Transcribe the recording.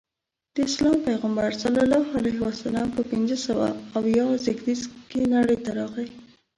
د اسلام پیغمبر ص په پنځه سوه اویا زیږدیز کې نړۍ ته راغی.